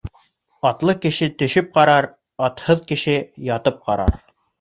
Атлы кеше төшөп ҡарар, атһыҙ кеше ятып ҡарар.